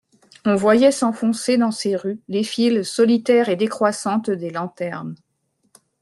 On voyait s'enfoncer dans ces rues les files solitaires et décroissantes des lanternes.